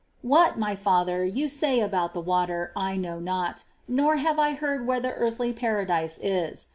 22. What, my father, you say about the water, I know not ; nor have I heard where the earthly paradise is.